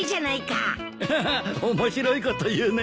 ハハハ面白いこと言うね。